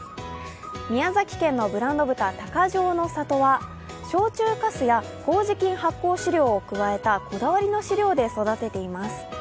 宮崎県のブランド豚高城の里は焼酎かすやこうじ菌発酵飼料を加えたこだわりの飼料で育てています。